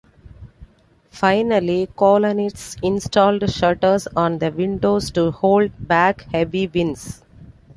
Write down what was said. Finally, colonists installed shutters on the windows to hold back heavy winds.